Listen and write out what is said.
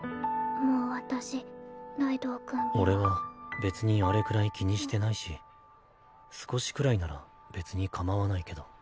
もう私ライドウ君には。俺は別にあれくらい気にしてないし少しくらいなら別にかまわないけど。